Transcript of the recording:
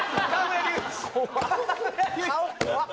・顔怖っ！